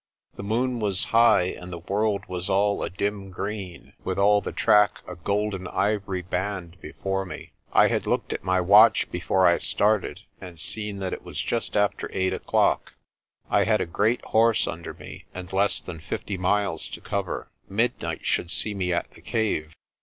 The moon was high and the world was all a dim dark green, with the track a golden ivory band before me. I had looked at my watch before I started, and seen that it was just after eight o'clock. I had a great horse under me and less than fifty miles to cover. Midnight should see me at the cave.